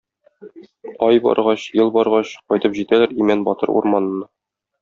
Ай баргач, ел баргач, кайтып җитәләр Имән батыр урманына.